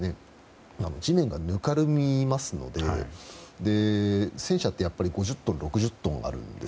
地面がぬかるみますから戦車って５０トン６０トンあるんです。